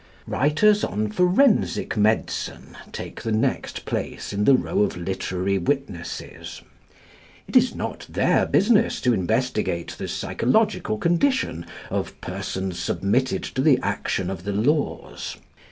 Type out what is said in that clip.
Writers on forensic medicine take the next place in the row of literary witnesses. It is not their business to investigate the psychological condition of persons submitted to the action of the laws.